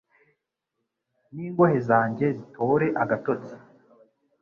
n’ingohe zanjye zitore agatotsi